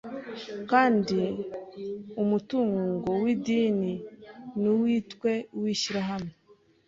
kandi umutungo w’idini ntiwitwe uw’ishyirahamwe